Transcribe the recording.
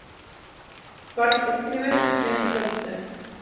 Park escribe ficción histórica.